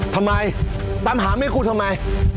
ทำไมตามหาไม่คุ้นหรือเปล่า